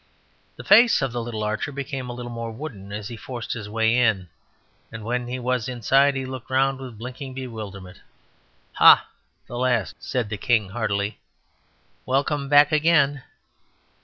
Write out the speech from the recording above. The face of the little archer became a little more wooden as he forced his way in, and when he was inside he looked round with blinking bewilderment. "Ha, the last," said the king heartily, "welcome back again!"